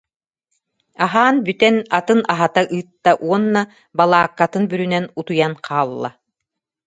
Аһаан бү- тэн атын аһата ыытта уонна балааккатын бүрүнэн утуйан хаалла